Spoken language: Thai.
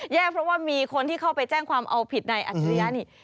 เพราะว่ามีคนที่เข้าไปแจ้งความเอาผิดในอัจฉริยะนี่